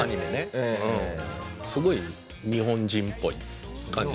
すごい日本人っぽい感じ